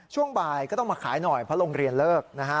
ช่วงบ่ายก็ต้องมาขายหน่อยเพราะโรงเรียนเลิกนะฮะ